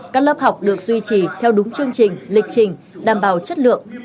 các lớp học được duy trì theo đúng chương trình lịch trình đảm bảo chất lượng